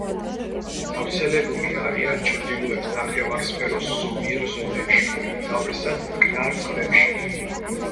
გავრცელებული არიან ჩრდილოეთ ნახევარსფეროს ზომიერ ზონებში, უმთავრესად მტკნარ წყლებში.